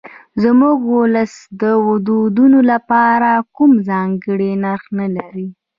زموږ ولس د ودونو لپاره کوم ځانګړی نرخ نه لري.